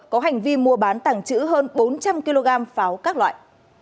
có hành vi mua bán tảng chữ hơn bốn trăm linh kg pháo các loại